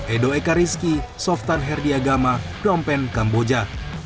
edo ekariski softan herdiagama knompen kamboja